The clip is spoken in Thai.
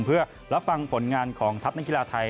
เพื่อรับฟังผลงานของทัพนักกีฬาไทย